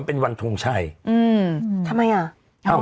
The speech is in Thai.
มันเป็นวันทงชัยทำไมอ่ะ